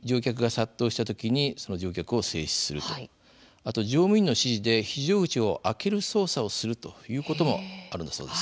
あと乗務員の指示で非常口を開ける操作をするということもあるんだそうです。